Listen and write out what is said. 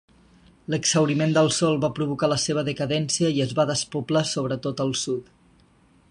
L'exhauriment del sol va provocar la seva decadència i es va despoblar sobretot el sud.